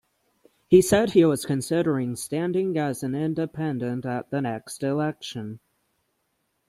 He said he was considering standing as an independent at the next election.